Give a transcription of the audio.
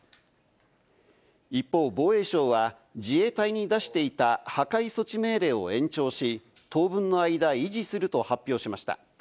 一方、防衛省は自衛隊に出していた破壊措置命令を延長し、当分の間、維持すると発表しました。